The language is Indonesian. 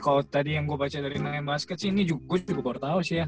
kalau tadi yang gue baca dari main basket sih ini gue juga baru tahu sih ya